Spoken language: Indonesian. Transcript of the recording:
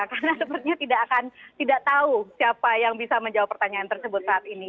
karena sepertinya tidak akan tidak tahu siapa yang bisa menjawab pertanyaan tersebut saat ini